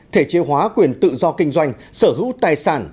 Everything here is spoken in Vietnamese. thể chế hóa quyền tự do kinh doanh sở hữu tài sản